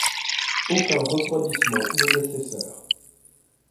Aucun refroidissement n'est nécessaire.